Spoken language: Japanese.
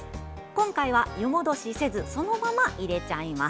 今回は湯戻しせずそのまま入れちゃいます。